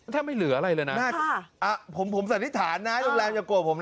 ถ้าไม่เหลืออะไรเลยน่ะค่ะอ่ะผมผมสันนิษฐานน่ะโรงแรมจะกลัวผมน่ะ